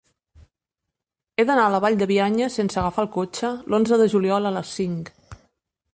He d'anar a la Vall de Bianya sense agafar el cotxe l'onze de juliol a les cinc.